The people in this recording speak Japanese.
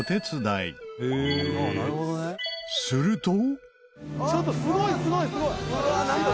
すると。